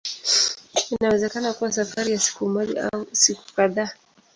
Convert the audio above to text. Inaweza kuwa safari ya siku moja au siku kadhaa.